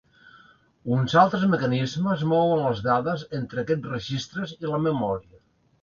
Uns altres mecanismes mouen les dades entre aquests registres i la memòria.